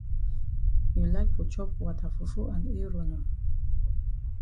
You like for chop wata fufu and eru nor?